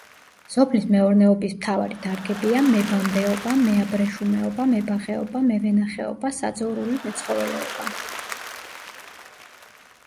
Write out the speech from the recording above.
სოფლის მეურნეობის მთავარი დარგებია: მებამბეობა, მეაბრეშუმეობა, მებაღეობა, მევენახეობა, საძოვრული მეცხოველეობა.